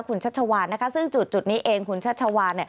คุณชัชชาวาซึ่งจุดนี้เองคุณชัชชาวา